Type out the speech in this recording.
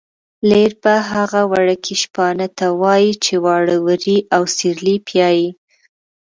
لېربه هغه وړکي شپانه ته وايي چې واړه وري او سېرلی پیایي.